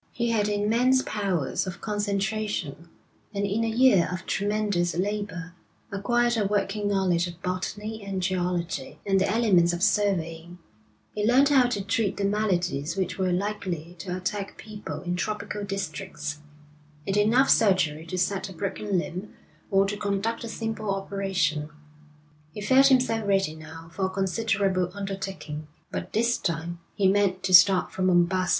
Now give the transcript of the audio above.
He had immense powers of concentration, and in a year of tremendous labour acquired a working knowledge of botany and geology, and the elements of surveying; he learnt how to treat the maladies which were likely to attack people in tropical districts, and enough surgery to set a broken limb or to conduct a simple operation. He felt himself ready now for a considerable undertaking; but this time he meant to start from Mombassa.